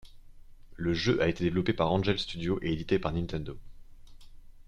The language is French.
Le jeu a été développé par Angel Studios et édité par Nintendo.